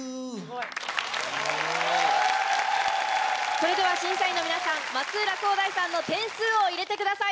それでは審査員の皆さん松浦航大さんの点数を入れてください。